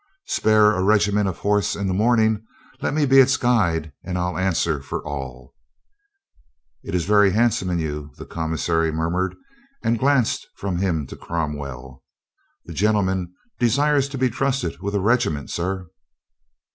"Spare a regiment of horse in the morning, let me be its guide and I'll answer for all." "It is very handsome in you," the commissary murmured and glanced from him to Cromwell. "The gentleman desires to be trusted with a regi ment, sir."